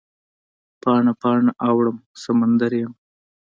پاڼه، پاڼه اوړم سمندریمه